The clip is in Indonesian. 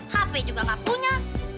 hp juga gak punya